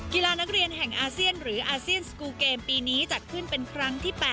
กีฬานักเรียนแห่งอาเซียนหรืออาเซียนสกูลเกมปีนี้จัดขึ้นเป็นครั้งที่๘